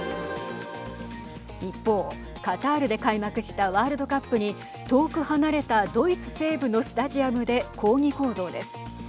一方、カタールで開幕したワールドカップに遠く離れたドイツ西部のスタジアムで抗議行動です。